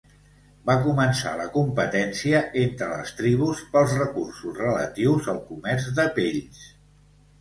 Va començar la competència entre les tribus pels recursos relatius al comerç de pells.